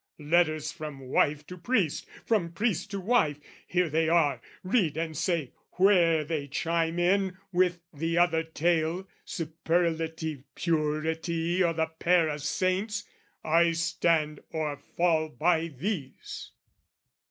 "Letters from wife to priest, from priest to wife, "Here they are, read and say where they chime in "With the other tale, superlative purity "O' the pair of saints! I stand or fall by these."